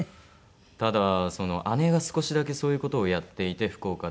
ただ姉が少しだけそういう事をやっていて福岡で。